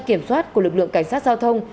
kiểm soát của lực lượng cảnh sát giao thông